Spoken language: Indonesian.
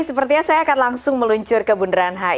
sepertinya saya akan langsung meluncur ke bundaran hi